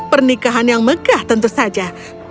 pernikahan yang megah tentu saja